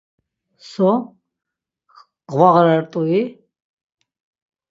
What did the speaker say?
So, gvağarart̆ui?